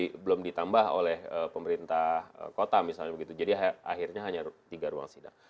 tapi belum ditambah oleh pemerintah kota misalnya begitu jadi akhirnya hanya tiga ruang sidang